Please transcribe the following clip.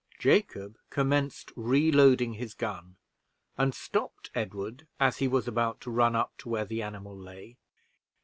Jacob commenced reloading his gun, and stopped Edward as he was about to run up to where the animal lay.